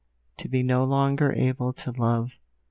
To be no longer able to love!